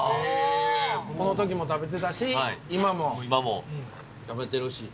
このときも食べてたし、今も食べてるし。